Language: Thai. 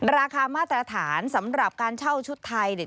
ราคามาตรฐานสำหรับการเช่าชุดไทยเนี่ย